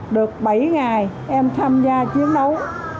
được bảy ngày em tham gia chiến đấu